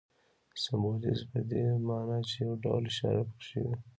سمبولیزم په دې ماناچي یو ډول اشاره پکښې وي.